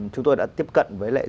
chúng tôi đã tiếp cận với lại